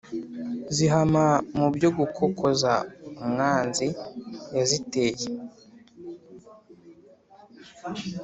zihama mu byo gukokoza umwanzi yaziteye